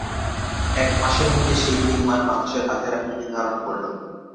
একমাসের মধ্যে সেই টিউমার মানুষের হাতের আকৃতি ধারণ করল।